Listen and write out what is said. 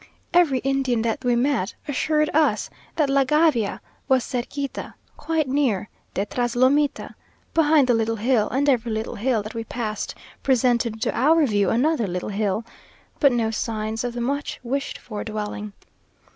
Every Indian that we met assured us that La Gabia was "cerquita," quite near "detras lomita," behind the little hill; and every little hill that we passed presented to our view another little hill, but no signs of the much wished for dwelling.